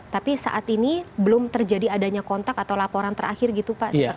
tapi saat ini belum terjadi adanya kontak atau laporan terakhir gitu pak